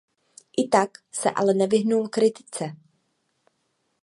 I tak se ale nevyhnul kritice.